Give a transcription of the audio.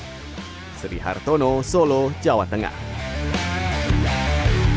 menempatkan atlet di dream world ber seo nya yang paling keren